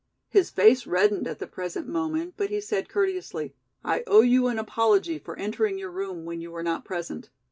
His face reddened at the present moment, but he said courteously: "I owe you an apology for entering your room when you were not present.